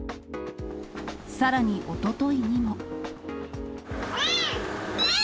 さらにおとといにも。